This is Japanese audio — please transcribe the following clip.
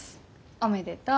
おめでとう。